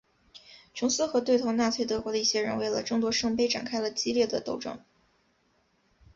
琼斯和对头纳粹德国的一些人为了争夺圣杯展开了激烈的斗争。